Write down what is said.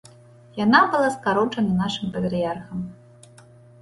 Яна была скарочана нашым патрыярхам.